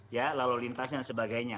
ya lalu lintasnya dan sebagainya